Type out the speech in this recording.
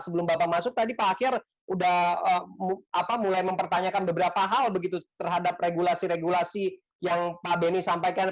sebelum bapak masuk tadi pak akhir sudah mulai mempertanyakan beberapa hal begitu terhadap regulasi regulasi yang pak beni sampaikan